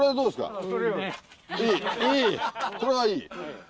これはいい？